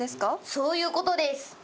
そういうことです。